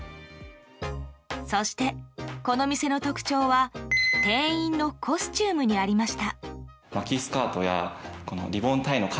そして、この店の特徴は店員のコスチュームにありました。